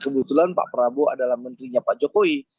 kebetulan pak prabowo adalah menterinya pak jokowi